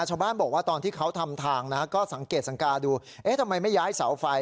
ชาวบ้านบอกว่าตอนที่เขาทำทางนะก็สังเกตสังกาดูเอ๊ะทำไมไม่ย้ายเสาไฟ